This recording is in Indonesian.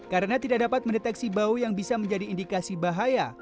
karena tidak dapat mendeteksi bau yang bisa menjadi indikasi bahaya